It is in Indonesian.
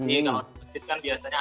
ini kalau di masjid kan biasanya